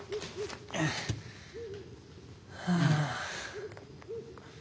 はあ。